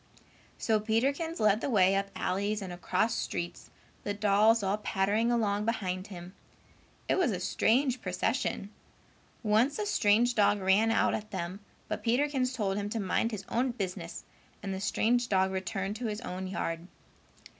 So Peterkins led the way up alleys and across streets, the dolls all pattering along behind him. It was a strange procession. Once a strange dog ran out at them, but Peterkins told him to mind his own business and the strange dog returned to his own yard.